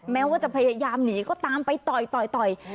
แม้ว่าจะพยายามหนีก็ตามไปต่อย